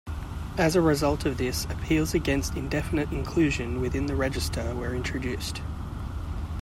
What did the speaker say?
As a result of this, appeals against indefinite inclusion within the register were introduced.